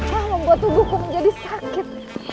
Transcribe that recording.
membuat tubuhku menjadi sakit